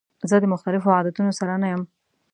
زه د مختلفو عادتونو سره نه یم.